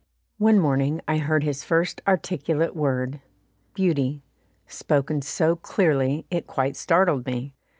One morning I heard his first articulate word, "Beauty," spoken so clearly it quite startled me.